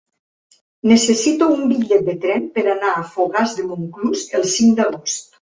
Necessito un bitllet de tren per anar a Fogars de Montclús el cinc d'agost.